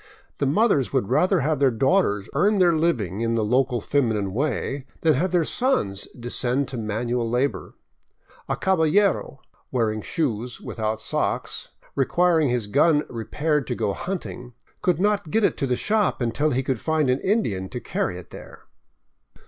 The mothers would rather have their daughters earn their living in the local feminine way than have their sons descend to manual labor. A " caballero," wear ing shoes, without socks, requiring his gun repaired to go hunting, could not get it to the shop until he could find an Indian to carry it there.